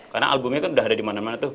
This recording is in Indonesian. karena albumnya kan udah ada dimana mana tuh